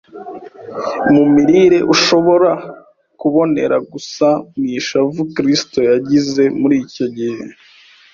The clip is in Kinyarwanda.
mu mirire ushobora kubonekera gusa mu ishavu Kristo yagize muri icyo gihe